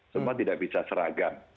semua tidak bisa seragam